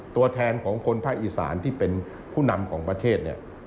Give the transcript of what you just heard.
ตัวแทนของคนภาคอีสานที่เป็นผู้นำของประเทศเนี่ย